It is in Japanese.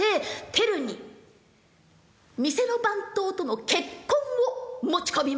テルに店の番頭との結婚を持ち込みました。